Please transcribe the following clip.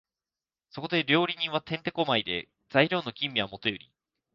そこで料理人は転手古舞で、材料の吟味はもとより、